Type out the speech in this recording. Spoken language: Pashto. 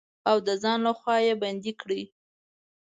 او د ځان لخوا يې بندې کړي.